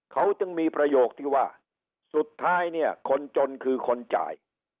เขาจึงมีประโยคที่ว่าสุดท้ายเนี่ยคนจนคือคนจ่าย